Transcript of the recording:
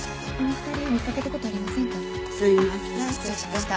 失礼しました。